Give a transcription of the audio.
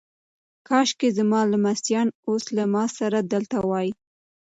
کاشکي زما لمسیان اوس له ما سره دلته وای.